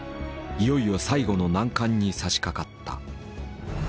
いよいよ最後の難関にさしかかった。